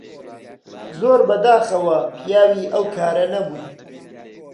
زۆر بەداخەوە پیاوی ئەو کارە نەبووی